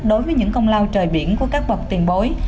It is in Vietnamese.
đối với những công lao trời biển của các bậc tiền bối